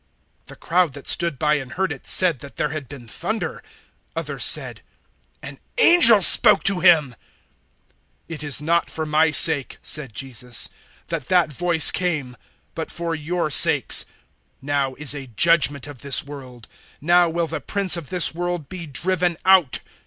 012:029 The crowd that stood by and heard it, said that there had been thunder. Others said, "An angel spoke to him." 012:030 "It is not for my sake," said Jesus, "that that voice came, but for your sakes. 012:031 Now is a judgement of this world: now will the Prince of this world be driven out.